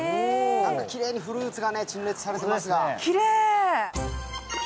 きれいにフルーツが陳列されていますが。